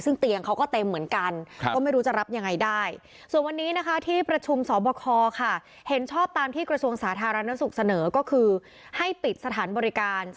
ซึ่งเตียงเขาก็เต็มเหมือนกันก็ไม่รู้จะรับยังไงได้